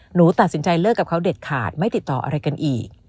หนูตัดสินใจเลิกกับเขาเด็ดขาดไม่ติดต่ออะไรกันอีก